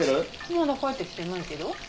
まだ帰ってきてないけど。